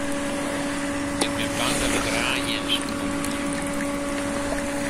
Ik bin bang dat it raar jern spûn hie.